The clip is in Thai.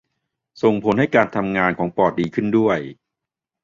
ส่งผลให้การทำงานของปอดดีขึ้นด้วย